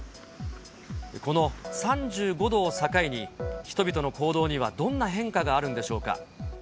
この３５度を境に、人々の行動にはどんな変化があるんでしょうか。